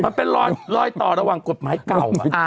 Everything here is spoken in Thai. มันเป็นรอยต่อระหว่างกฎหมายเก่า